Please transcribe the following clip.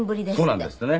そうなんですってね。